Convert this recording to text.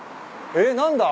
えっ何だ？